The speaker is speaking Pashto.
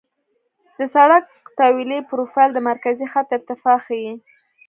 د سړک طولي پروفیل د مرکزي خط ارتفاع ښيي